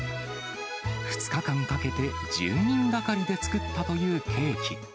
２日間かけて１０人がかりで作ったというケーキ。